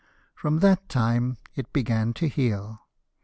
From that time it began to heal.